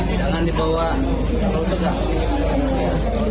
tidak akan dibawa kalau pegang